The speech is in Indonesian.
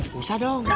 gak usah dong